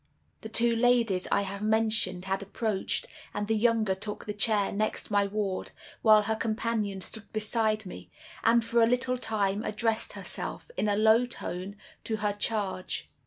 The two ladies I have mentioned had approached and the younger took the chair next my ward; while her companion stood beside me, and for a little time addressed herself, in a low tone, to her charge.